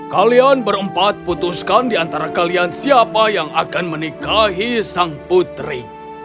kalian berempat putuskan diantara kalian siapa yang akan menikahi sang putri